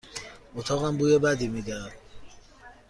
اتاقم بوی بدی می دهد.